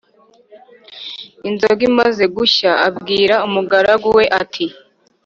Inzoga imaze gushya, abwira umugaragu we ati